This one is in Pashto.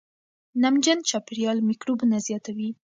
نمجن چاپېریال میکروبونه زیاتوي.